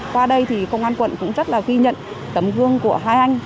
qua đây thì công an quận cũng rất là ghi nhận tấm gương của hai anh